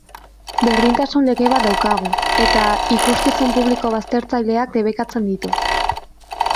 Berdintasun lege bat daukagu, eta ikuskizun publiko baztertzaileak debekatzen ditu.